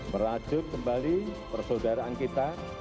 merajut kembali persaudaraan kita